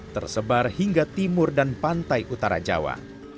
tersebar hingga timur dan pantai utara jawa